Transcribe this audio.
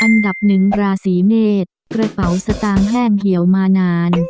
อันดับหนึ่งราศีเมษกระเป๋าสตางค์แห้งเหี่ยวมานาน